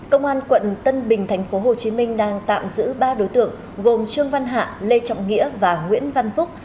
công an quận tân bình tp hcm đang tạm giữ ba đối tượng gồm trương văn hạ lê trọng nghĩa và nguyễn văn phúc